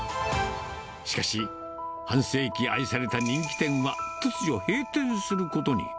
しかし、半世紀愛された人気店は、突如閉店することに。